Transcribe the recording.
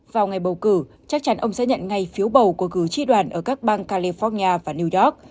vào ngày bầu cử chắc chắn ông sẽ nhận ngay phiếu bầu của cử tri đoàn ở các bang california và new york